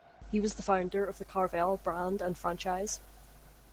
He was the founder of the Carvel brand and franchise.